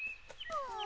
うん？